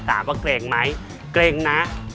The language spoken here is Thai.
ถามว่าเกรงไหมเกรงนะ